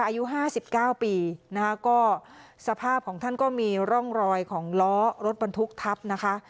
อายุ๕๙ปีนะคะก็สภาพของท่านก็มีร่องรอยของล้อรถบรรทุกทับนะคะ